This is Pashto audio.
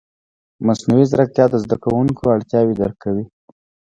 مصنوعي ځیرکتیا د زده کوونکو اړتیاوې درک کوي.